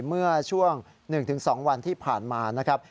เมื่อช่วง๑๒วันที่ผ่านมานะครับ